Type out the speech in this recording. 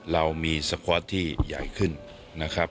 เรามีสคอตที่ใหญ่ขึ้นนะครับ